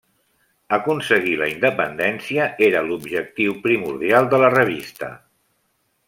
Aconseguir la independència era l’objectiu primordial de la revista.